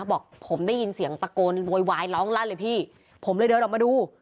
บอกผมได้ยินเสียงตะโกนวอยวายล้องรั้นเลยพี่ผมอะไรเดี๋ยวเรามาดู